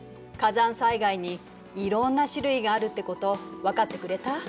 火山災害にいろんな種類があるってこと分かってくれた？